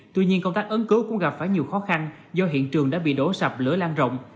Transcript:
tuy nhiên công tác ứng cứu cũng gặp phải nhiều khó khăn do hiện trường đã bị đổ sập lửa lan rộng